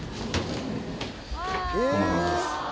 こんな感じです。